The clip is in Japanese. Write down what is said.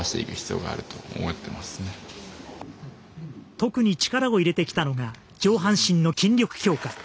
特に力を入れてきたのが上半身の筋力強化。